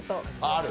ある？